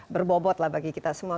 berbobot lah bagi kita semua